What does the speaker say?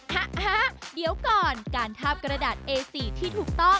ฮะฮะเดี๋ยวก่อนการทาบกระดาษเอซีที่ถูกต้อง